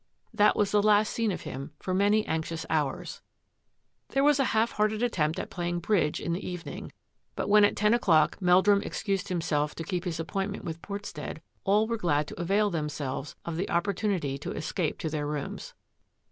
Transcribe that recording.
That was the last seen of him for many anxious hours. There was a half hearted attempt at playing " bridge " in the evening, but when at ten o'clock Meldrum excused himself to keep his appointment with Portstead, all were glad to avail themselves of the opportunity to escape to their rooms.